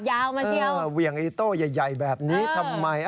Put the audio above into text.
เกิดอะไรขึ้นท่านนายยกเออเวียงเอดิโต้ใหญ่แบบนี้ทำไม